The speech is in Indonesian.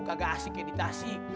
kagak asik kayak di tasik